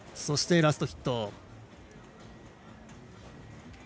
そしてラストヒット。